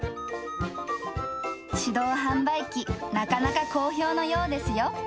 手動販売機、なかなか好評のようですよ。